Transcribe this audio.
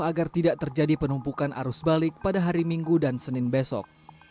agar tidak terjadi penumpukan arus balik pada hari minggu dan senin besok